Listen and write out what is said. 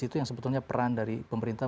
di situ yang sebetulnya peran dari pemerintah